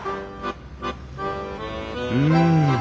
うん。